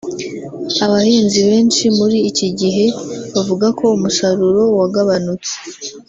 Abahinzi benshi muri iki gihe bavuga ko umusaruro wagabanutse